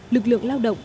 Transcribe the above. lực lượng lao động